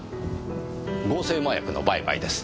合成麻薬の売買です。